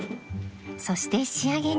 そして仕上げに